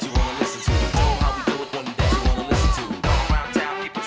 เชิญ